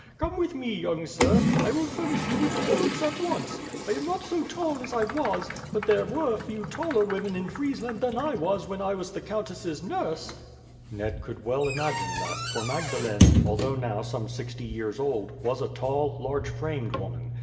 Come with me, young sir; I will furnish you with clothes at once. I am not so tall as I was, but there were few taller women in Friesland than I was when I was the countess' nurse." Ned could well imagine that; for Magdalene, although now some sixty years old, was a tall, large framed woman.